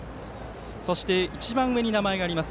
そして、一番上に名前があります